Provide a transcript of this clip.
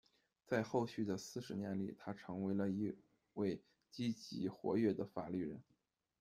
在后续的四十年里，他成为了一位积极活跃的法律人。